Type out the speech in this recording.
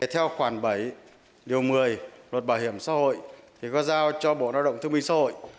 theo khoản bảy điều một mươi luật bảo hiểm xã hội thì có giao cho bộ lao động thương minh xã hội